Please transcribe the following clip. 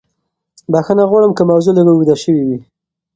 بښنه غواړم که موضوع لږه اوږده شوې وي.